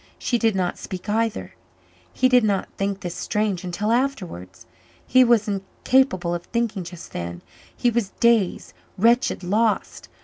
She did not speak either. He did not think this strange until afterwards. He was incapable of thinking just then; he was dazed, wretched, lost.